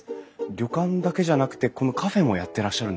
旅館だけじゃなくてこのカフェもやってらっしゃるんですね。